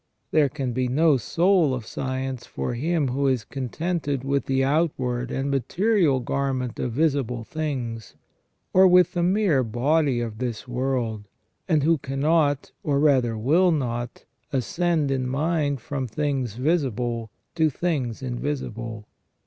There can be no soul of science for him who is contented with the outward and material garment of visible things, or with the mere body of this world, and who cannot, or rather will not, ascend in mind from things visible to things invisible.